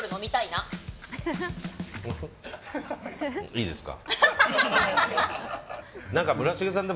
いいですか。